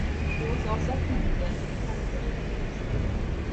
He was also a comedian and television producer.